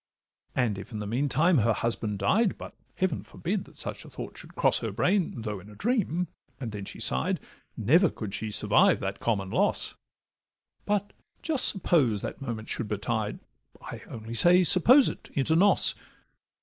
And if in the mean time her husband died, But Heaven forbid that such a thought should cross Her brain, though in a dream! (and then she sigh'd) Never could she survive that common loss; But just suppose that moment should betide, I only say suppose it—inter nos.